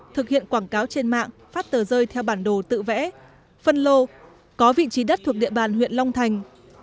thực hiện quảng cáo trên mạng phát tờ rơi theo bản đồ tự vẽ phân lô có vị trí đất thuộc địa bàn huyện long thành